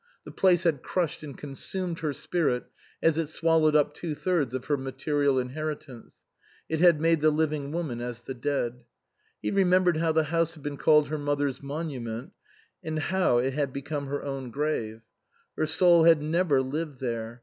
The place had crushed and consumed her spirit, as it swallowed up two thirds of her material inheritance ; it had made the living woman as the dead. He remembered how the house had been called her mother's monument, and how it had become her own grave. Her soul had never lived there.